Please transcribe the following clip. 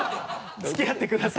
付き合ってください！